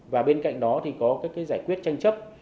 và bên cạnh đó thì có các cái giải quyết tranh chấp